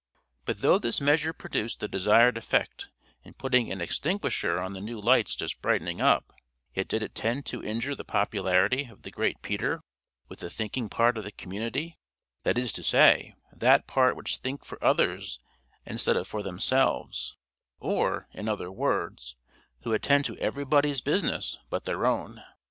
But though this measure produced the desired effect in putting an extinguisher on the new lights just brightening up, yet did it tend to injure the popularity of the great Peter with the thinking part of the community; that is to say, that part which think for others instead of for themselves; or, in other words, who attend to everybody's business but their own.